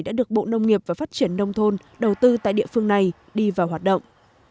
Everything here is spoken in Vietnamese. đã được bộ nông nghiệp và phát triển nông thôn đầu tư tại địa phương này đi vào hoạt động